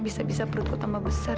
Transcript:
bisa bisa perutku tambah besar